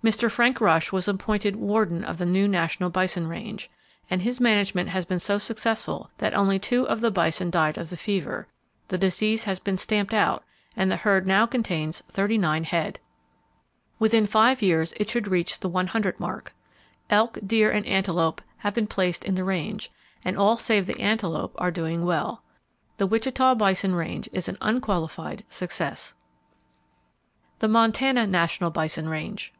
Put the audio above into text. Mr. Frank Rush was appointed Warden of the new National Bison Range, and his management has been so successful that only two of the bison died of the fever, the disease has been stamped out, and the herd now contains thirty nine head. Within five years it should reach the one hundred mark. Elk, deer and antelope have been placed in the range, and all save the antelope are doing well. The Wichita Bison Range is an unqualified success. The Montana National Bison Range.